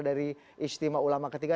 dari istimewa ulama ketiga